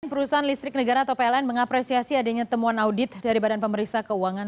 perusahaan listrik negara atau pln mengapresiasi adanya temuan audit dari badan pemeriksa keuangan